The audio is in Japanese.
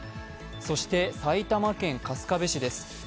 そして埼玉県春日部市です。